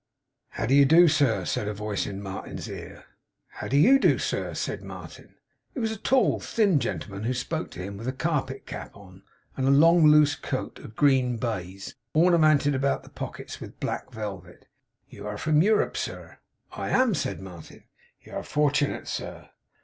'How do you do sir?' said a voice in Martin's ear 'How do you do sir?' said Martin. It was a tall thin gentleman who spoke to him, with a carpet cap on, and a long loose coat of green baize, ornamented about the pockets with black velvet. 'You air from Europe, sir?' 'I am,' said Martin. 'You air fortunate, sir.